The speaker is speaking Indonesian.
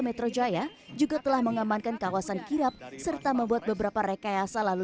metro jaya juga telah mengamankan kawasan kirap serta membuat beberapa rekayasa lalu